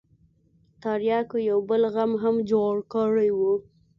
ترياکو يو بل غم هم جوړ کړى و.